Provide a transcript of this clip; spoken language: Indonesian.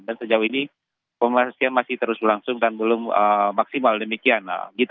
dan sejauh ini pembersihan masih terus berlangsung dan belum maksimal demikian